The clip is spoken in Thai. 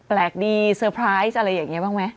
แปลกดีสเตอร์พร้ายอะไรอย่างนี้บ้างมั้ย